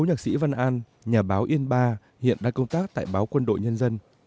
nhạc sĩ văn an nhà báo yên ba hiện đang công tác tại báo quân đội nhân dân